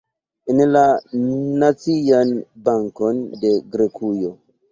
En la Nacian Bankon de Grekujo.